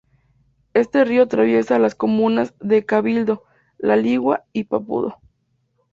Este río atraviesa las comunas de Cabildo, La Ligua y Papudo.